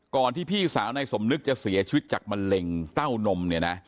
ที่พี่สาวนายสมนึกจะเสียชีวิตจากมะเร็งเต้านมเนี่ยนะ